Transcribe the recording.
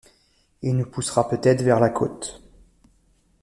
et nous poussera peut-être vers la côte.